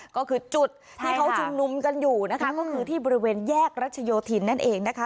ก็คือจุดที่เขาชุมนุมกันอยู่นะคะก็คือที่บริเวณแยกรัชโยธินนั่นเองนะคะ